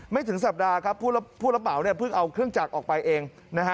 ไม่ถึงสัปดาห์ผู้รับเบาเทียบพึ่งเอาเครื่องจากไปเอง